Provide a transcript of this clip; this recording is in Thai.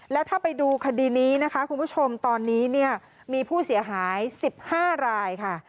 แล้วถ้าไปดูคดีนี้นะคะคุณผู้ชมตอนนี้เนี่ยมีผู้เสียหาย๑๕รายค่ะ